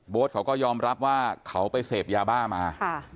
เขาก็ยอมรับว่าเขาไปเสพยาบ้ามา